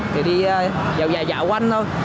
thì đi dạo dài dạo quanh thôi